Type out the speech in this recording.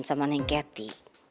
sama neng keti